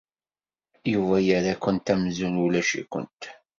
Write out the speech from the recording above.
Yuba yerra-kent amzun ulac-ikent.